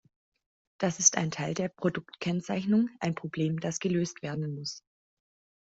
Das ist ein Teil der Produktkennzeichnung, ein Problem, das gelöst werden muss.